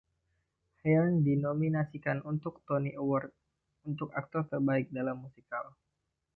Hearn dinominasikan untuk Tony Awards untuk Aktor Terbaik dalam Musikal.